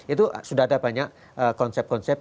itu sudah ada banyak konsep konsep